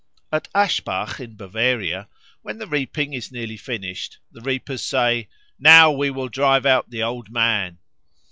At Aschbach in Bavaria, when the reaping is nearly finished, the reapers say, "Now, we will drive out the Old Man."